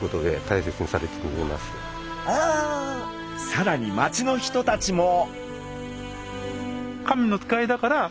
さらに町の人たちも。